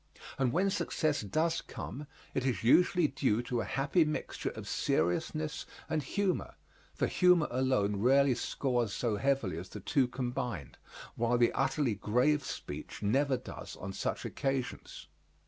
And when success does come it is usually due to a happy mixture of seriousness and humor, for humor alone rarely scores so heavily as the two combined, while the utterly grave speech never does on such occasions.